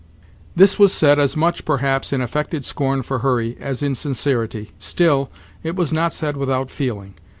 This was said, as much, perhaps, in affected scorn for Hurry, as in sincerity. Still, it was not said without feeling.